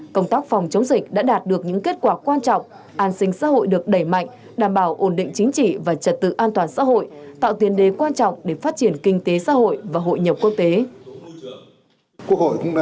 công tác phòng chống dịch đã đạt được những kết quả quan trọng an sinh xã hội được đẩy mạnh đảm bảo ổn định chính trị và trật tự an toàn xã hội tạo tiền đề quan trọng để phát triển kinh tế xã hội và hội nhập quốc tế